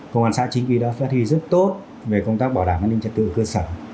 công an xã chính quy đã phát huy rất tốt về công tác bảo đảm an ninh trật tự ở cơ sở